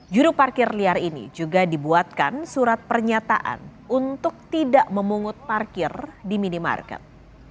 juru parkir liar ini juga dibuatkan surat pernyataan untuk tidak memungut parkir di minimarket